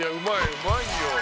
うまいよ」